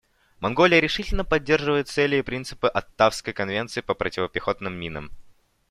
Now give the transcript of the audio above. Монголия решительно поддерживает цели и принципы Оттавской конвенции по противопехотным минам.